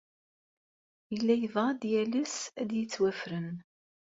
Yella yebɣa ad yales ad yettwafren.